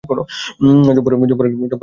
জব্বর একটা শো হলো আপনাদের বরাতে।